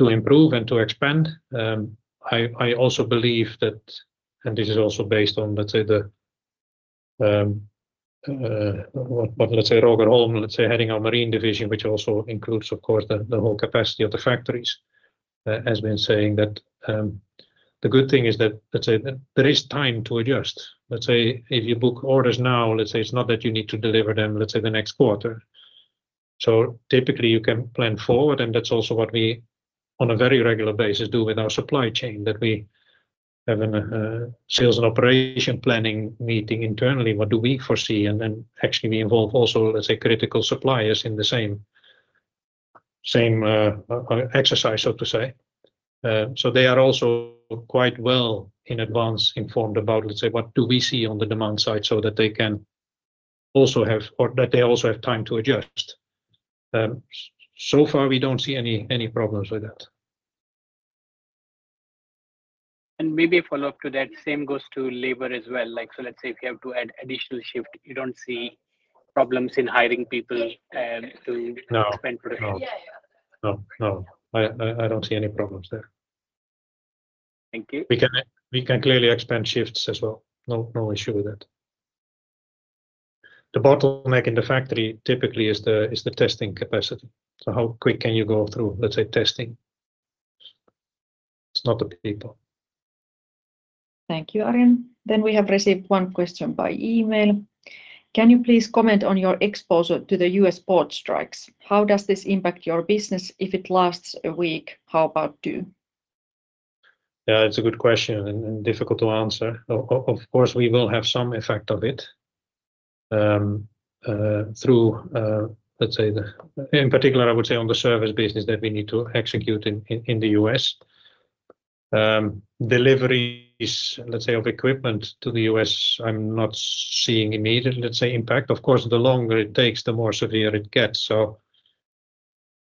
improve and to expand. I also believe that, and this is also based on, let's say, the, let's say, Roger Holm, let's say, heading our marine division, which also includes, of course, the whole capacity of the factories, has been saying that, the good thing is that, let's say, there is time to adjust. Let's say if you book orders now, let's say it's not that you need to deliver them, let's say, the next quarter. Typically you can plan forward, and that's also what we, on a very regular basis, do with our supply chain, that we have a sales and operations planning meeting internally, what do we foresee? And then actually we involve also, let's say, critical suppliers in the same exercise, so to say. So they are also quite well in advance informed about, let's say, what do we see on the demand side, so that they can also have or that they also have time to adjust. So far we don't see any problems with that. And maybe a follow-up to that, same goes to labor as well. Like, so let's say if you have to add additional shift, you don't see problems in hiring people, to expand production? No, no. I don't see any problems there. Thank you. We can clearly expand shifts as well. No, no issue with that. The bottleneck in the factory typically is the testing capacity. So how quick can you go through, let's say, testing? It's not the people. Thank you, Arjen. Then we have received one question by email. "Can you please comment on your exposure to the U.S. port strikes? How does this impact your business if it lasts a week? How about two? Yeah, it's a good question, and difficult to answer. Of course, we will have some effect of it, through, let's say the--in particular, I would say on the service business that we need to execute in the U.S. Deliveries, let's say, of equipment to the U.S., I'm not seeing immediate, let's say, impact. Of course, the longer it takes, the more severe it gets, so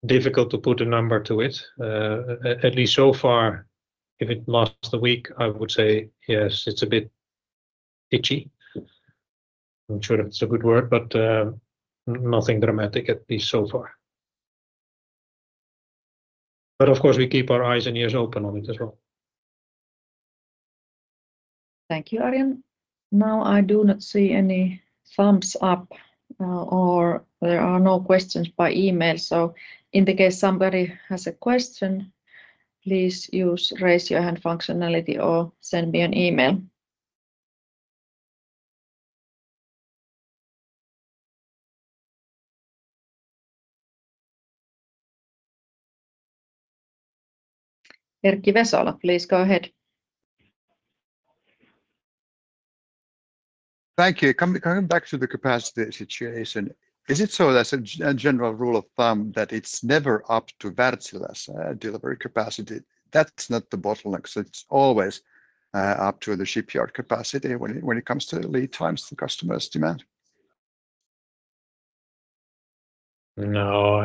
difficult to put a number to it. At least so far, if it lasts a week, I would say yes, it's a bit itchy. I'm not sure if it's a good word, but, nothing dramatic at least so far. But of course, we keep our eyes and ears open on it as well. Thank you, Arjen. Now I do not see any thumbs up, or there are no questions by email, so in the case somebody has a question, please use raise your hand functionality or send me an email. Erkki Vesola, please go ahead. Thank you. Coming back to the capacity situation, is it so, as a general rule of thumb, that it's never up to Wärtsilä's delivery capacity? That's not the bottleneck, so it's always up to the shipyard capacity when it comes to lead times the customers demand? No,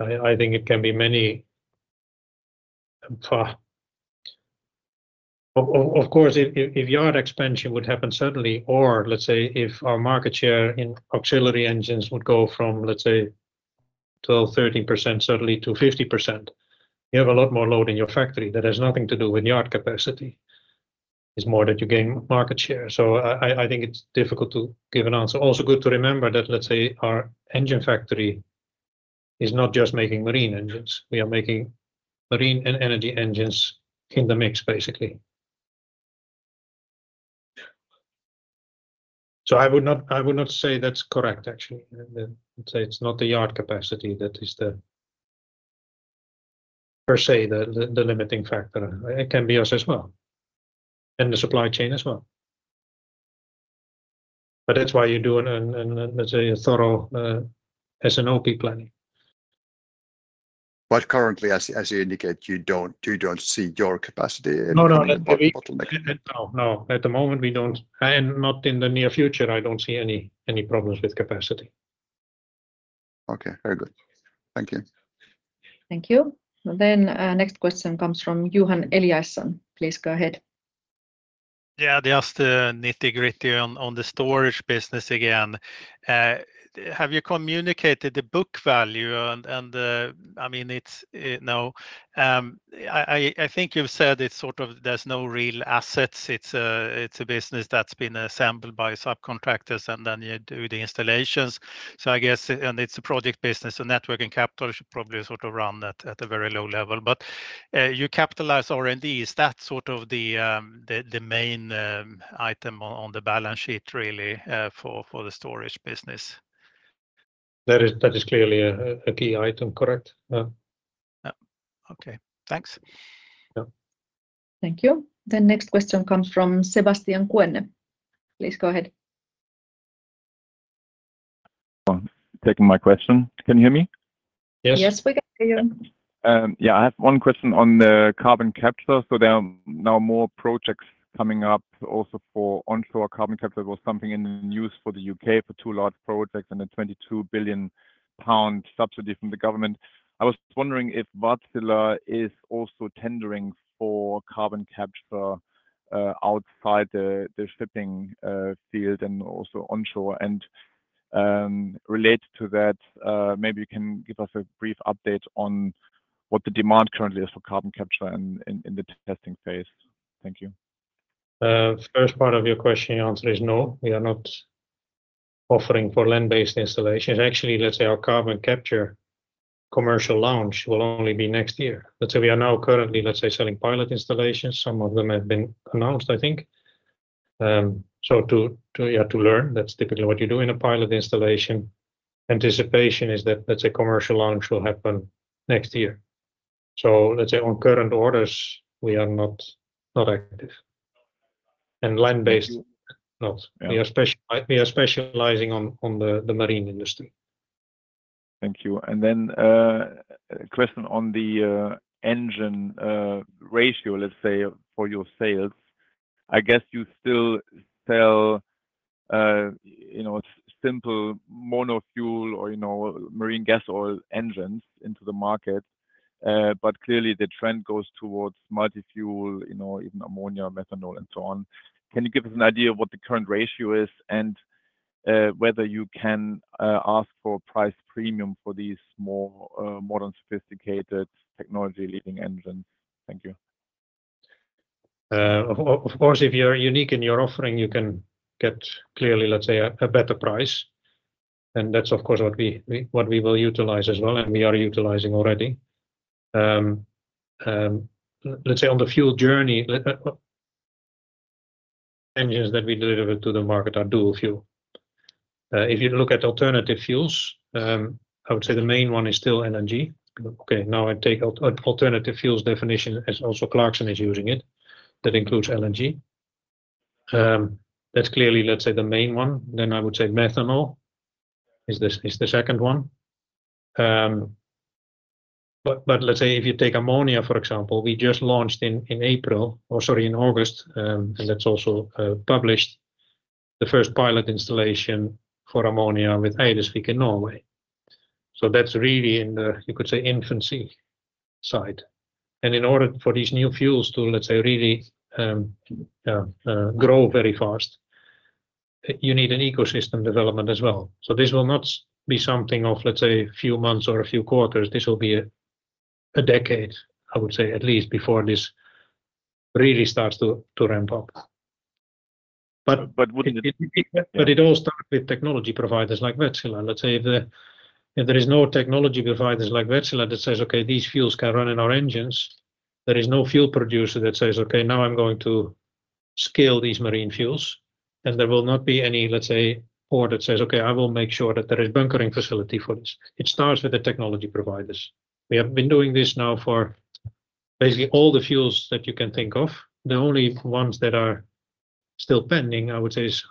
I think it can be many. Of course, if yard expansion would happen suddenly, or let's say if our market share in auxiliary engines would go from, let's say, 12%-13% suddenly to 50%, you have a lot more load in your factory. That has nothing to do with yard capacity. It's more that you gain market share. So I think it's difficult to give an answer. Also, good to remember that, let's say, our engine factory is not just making marine engines. We are making marine and energy engines in the mix, basically. So I would not say that's correct, actually. I'd say it's not the yard capacity that is per se the limiting factor. It can be us as well, and the supply chain as well. But that's why you do an, let's say, a thorough S&OP planning. But currently, as you indicate, you don't see your capacity in the bottleneck. No, at the moment, we don't, and not in the near future, I don't see any problems with capacity. Okay, very good. Thank you. Thank you. Then, next question comes from Johan Eliason. Please go ahead. Yeah, just nitty-gritty on the storage business again. Have you communicated the book value? And, I mean, it's now I think you've said it's sort of there's no real assets. It's a business that's been assembled by subcontractors, and then you do the installations. So I guess, and it's a project business, so net working capital should probably sort of run at a very low level. But you capitalize R&D. Is that sort of the main item on the balance sheet really for the storage business? That is clearly a key item, correct? Yeah. Yeah. Okay, thanks. Yeah. Thank you. The next question comes from Sebastian Kuenne. Please go ahead. Thank you for taking my question. Can you hear me? Yes. Yes, we can hear you. Yeah, I have one question on the carbon capture. So there are now more projects coming up also for onshore carbon capture. There was something in the news for the U.K. for two large projects and a 22 billion pound subsidy from the government. I was wondering if Wärtsilä is also tendering for carbon capture outside the shipping field and also onshore. And related to that, maybe you can give us a brief update on what the demand currently is for carbon capture in the testing phase. Thank you. The first part of your question, the answer is no, we are not offering for land-based installations. Actually, let's say our carbon capture commercial launch will only be next year. Let's say we are now currently, let's say, selling pilot installations. Some of them have been announced, I think. So to learn, that's typically what you do in a pilot installation. Anticipation is that, let's say, commercial launch will happen next year. So let's say on current orders, we are not, not active. And land-based, not. Yeah. We are specializing on the marine industry. Thank you. And then a question on the engine ratio, let's say, for your sales. I guess you still sell, you know, simple mono fuel or, you know, marine gas oil engines into the market. But clearly the trend goes towards multi-fuel, you know, even ammonia, methanol, and so on. Can you give us an idea of what the current ratio is, and whether you can ask for a price premium for these more modern, sophisticated technology leading engines? Thank you. Of course, if you're unique in your offering, you can get clearly, let's say, a better price, and that's of course what we will utilize as well, and we are utilizing already. Let's say on the fuel journey, engines that we deliver to the market are dual fuel. If you look at alternative fuels, I would say the main one is still LNG. Okay, now I take alternative fuels definition as also Clarkson is using it, that includes LNG. That's clearly, let's say, the main one. Then I would say methanol is the second one. But let's say if you take ammonia, for example, we just launched in April, or sorry, in August, and that's also published the first pilot installation for ammonia with Eidesvik in Norway. That's really in the, you could say, infancy side. In order for these new fuels to, let's say, really, grow very fast, you need an ecosystem development as well. This will not be something of, let's say, a few months or a few quarters. This will be a decade, I would say, at least before this really starts to ramp up. But would it-- But it all start with technology providers like Wärtsilä. Let's say if the, if there is no technology providers like Wärtsilä that says, "Okay, these fuels can run in our engines," there is no fuel producer that says, "Okay, now I'm going to scale these marine fuels," and there will not be any, let's say, port that says, "Okay, I will make sure that there is bunkering facility for this." It starts with the technology providers. We have been doing this now for basically all the fuels that you can think of. The only ones that are still pending, I would say, is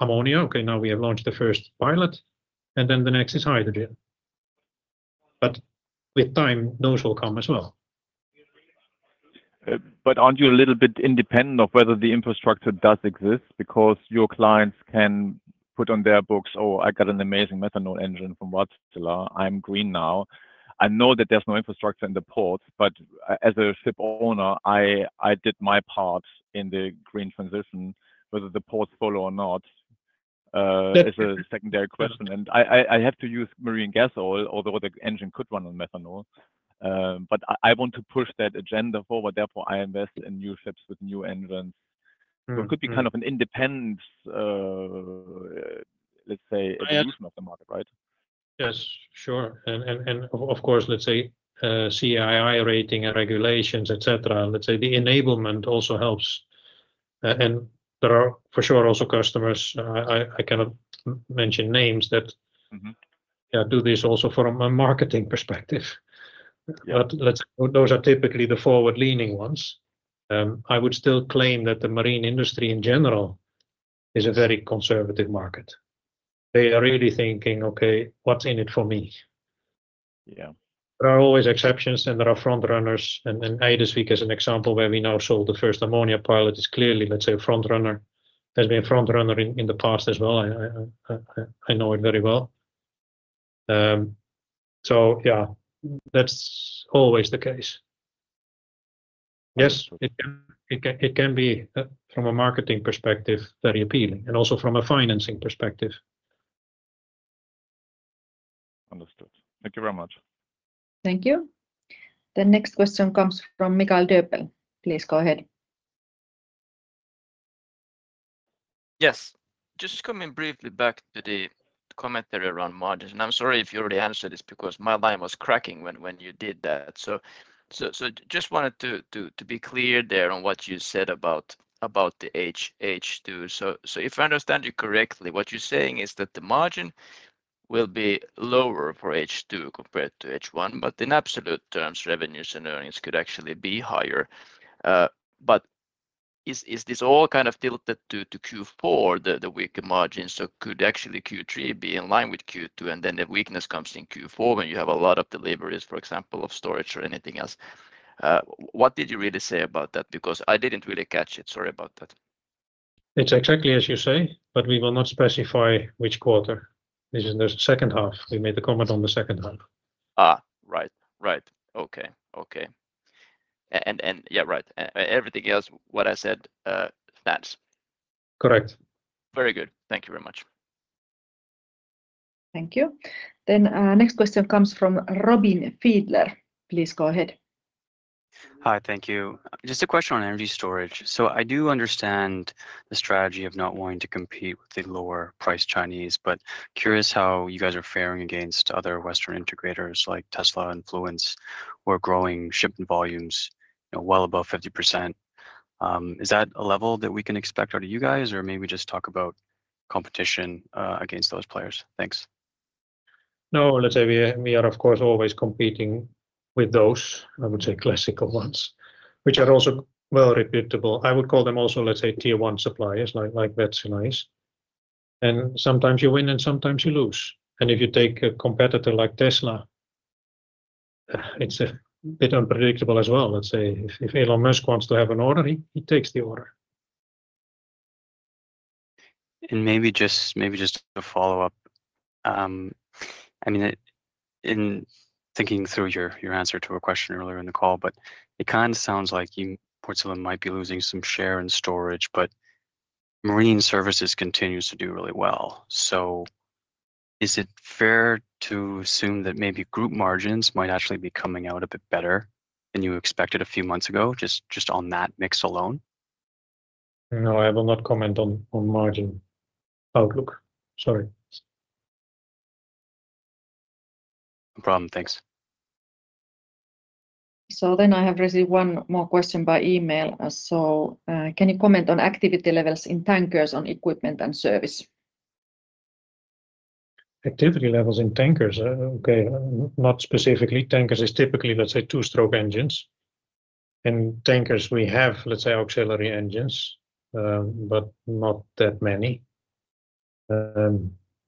ammonia. Okay, now we have launched the first pilot, and then the next is hydrogen. But with time, those will come as well. But aren't you a little bit independent of whether the infrastructure does exist? Because your clients can put on their books, "Oh, I got an amazing methanol engine from Wärtsilä. I'm green now. I know that there's no infrastructure in the port, but as a ship owner, I did my part in the green transition. Whether the ports follow or not, is a secondary question. And I have to use marine gas oil, although the engine could run on methanol, but I want to push that agenda forward, therefore, I invest in new ships with new engines. So it could be kind of an independent, let's say, adoption of the market, right? Yes, sure. And of course, let's say, CII rating and regulations, et cetera, let's say the enablement also helps. And there are for sure also customers, I cannot mention names that, yeah, do this also from a marketing perspective. Yeah. Those are typically the forward-leaning ones. I would still claim that the marine industry in general is a very conservative market. They are really thinking, "Okay, what's in it for me? Yeah. There are always exceptions, and there are front runners, and Eidesvik as an example, where we now sold the first ammonia pilot, is clearly, let's say, a front runner. Has been a front runner in the past as well. I know it very well. So yeah, that's always the case. Yes, it can be from a marketing perspective very appealing, and also from a financing perspective. Understood. Thank you very much. Thank you. The next question comes from Mikael Döpel. Please go ahead. Yes. Just coming briefly back to the commentary around margins, and I'm sorry if you already answered this, because my line was cracking when you did that. So just wanted to be clear there on what you said about the H2. So if I understand you correctly, what you're saying is that the margin will be lower for H2 compared to H1, but in absolute terms, revenues and earnings could actually be higher. But is this all kind of tilted to Q4, the weaker margins? So could actually Q3 be in line with Q2, and then the weakness comes in Q4 when you have a lot of deliveries, for example, of storage or anything else? What did you really say about that? Because I didn't really catch it. Sorry about that. It's exactly as you say, but we will not specify which quarter. It's in the second half. We made the comment on the second half. Right. Okay. And yeah, right. Everything else, what I said, stands? Correct. Very good. Thank you very much. Thank you. Then, next question comes from Robin Fiedler. Please go ahead. Hi. Thank you. Just a question on energy storage. So I do understand the strategy of not wanting to compete with the lower priced Chinese, but curious how you guys are faring against other Western integrators, like Tesla and Fluence, who are growing shipping volumes, you know, well above 50%. Is that a level that we can expect out of you guys, or maybe just talk about competition against those players? Thanks. No, let's say we are, of course, always competing with those, I would say, classical ones, which are also well reputable. I would call them also, let's say, Tier 1 suppliers, like batteries, and sometimes you win and sometimes you lose. And if you take a competitor like Tesla, it's a bit unpredictable as well. Let's say if Elon Musk wants to have an order, he takes the order. Maybe just to follow up, I mean, in thinking through your answer to a question earlier in the call, but it kind of sounds like Wärtsilä might be losing some share in storage, but Marine Services continues to do really well. So is it fair to assume that maybe group margins might actually be coming out a bit better than you expected a few months ago, just on that mix alone? No, I will not comment on margin outlook. Sorry. No problem. Thanks. So then I have received one more question by email. So, "Can you comment on activity levels in tankers, on equipment and service? Activity levels in tankers? Okay, not specifically. Tankers is typically, let's say, two-stroke engines, and tankers we have, let's say, auxiliary engines, but not that many.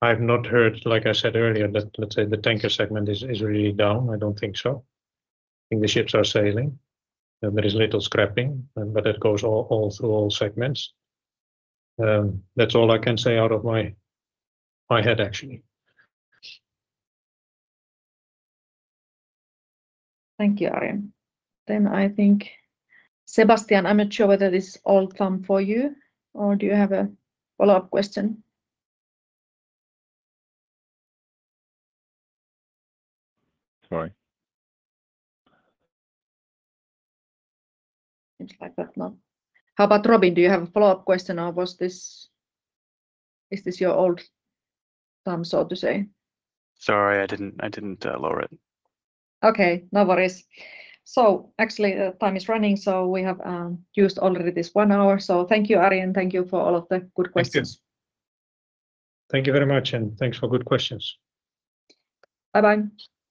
I've not heard, like I said earlier, that, let's say, the tanker segment is really down. I don't think so. I think the ships are sailing. There is little scrapping, but it goes all through all segments. That's all I can say out of my head, actually. Thank you, Arjen. Then I think, Sebastian, I'm not sure whether this all comes for you, or do you have a follow-up question? Things like that. Now, how about Robin? Do you have a follow-up question, or was this... Is this your only time, so to say? Sorry, I didn't lower it. Okay, no worries. So actually, time is running, so we have used already this one hour. So thank you, Arjen. Thank you for all of the good questions. Thank you. Thank you very much, and thanks for good questions. Bye-bye. Bye.